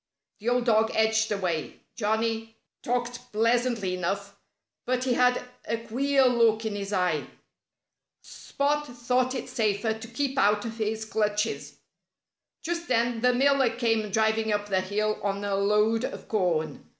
The old dog edged away. Johnnie talked pleasantly enough. But he had a queer look in his eye. Spot thought it safer to keep out of his clutches. Just then the miller came driving up the hill on a load of corn.